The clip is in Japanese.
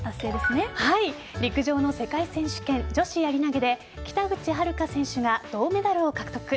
陸上の世界選手権女子やり投げで北口榛花選手が銅メダルを獲得。